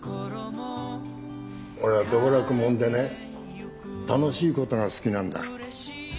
俺は道楽者でね楽しいことが好きなんだ。